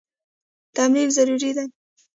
تمرین ضروري دی.